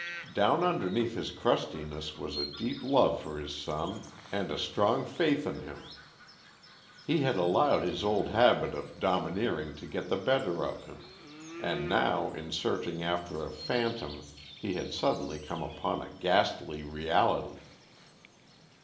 Down underneath his crustiness was a deep love for his son and a strong faith in him. He had allowed his old habit of domineering to get the better of him, and now in searching after a phantom he had suddenly come upon a ghastly reality.